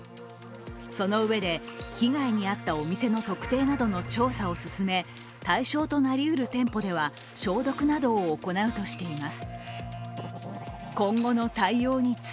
その上で、被害に遭ったお店の特定などの調査を進め、対象となりうる店舗では消毒などを行うとしています。